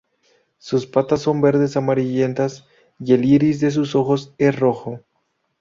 Sus patas son verdes amarillentas y el iris de sus ojos es rojo.